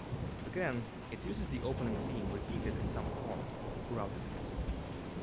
Again, it uses the opening theme repeated in some form throughout the piece.